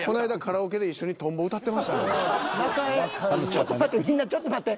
ちょっと待ってみんなちょっと待って。